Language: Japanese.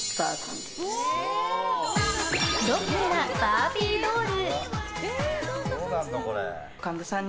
ロックなバービードール。